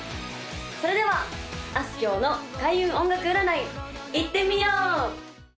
それではあすきょうの開運音楽占いいってみよう！